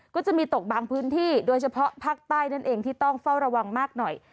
ก็จะมีตกบางพื้นที่โดยเฉพาะภาคใต้นั่นเองที่ต้องเฝ้าระวังมากหน่อย